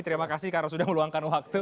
terima kasih karena sudah meluangkan waktu